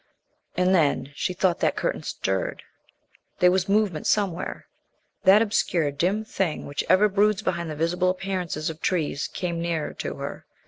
And then she thought that curtain stirred. There was movement somewhere. That obscure dim thing which ever broods behind the visible appearances of trees came nearer to her.